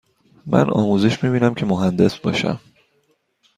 من آموزش می بینم که مهندس باشم.